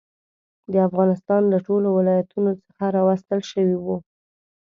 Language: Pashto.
د افغانستان له ټولو ولایتونو څخه راوستل شوي وو.